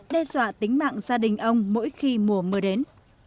đe dọa tính mạng gia đình ông mỗi khi mùa mưa đến